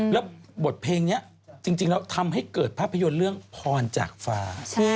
แล้วบทเพลงนี้จริงแล้วทำให้เกิดภาพยนตร์เรื่องพรจากฟ้า